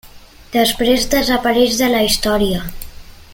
Després desapareix de la història.